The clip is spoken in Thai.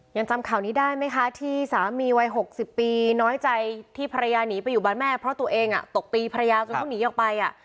ยังจำข่าวนี้ได้ไหมคะที่สามีวัย๖๐ปีน้อยใจที่ภรรยาหนีไปอยู่บ้านแม่เพราะตัวเองตกตีภรรยาจนเขาหนีออกไป